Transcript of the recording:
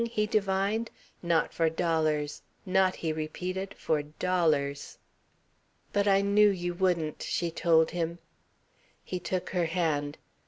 he divined. "Not for dollars. Not," he repeated, "for dollars." "But I knew you wouldn't," she told him. He took her hand.